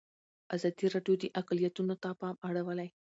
ازادي راډیو د اقلیتونه ته پام اړولی.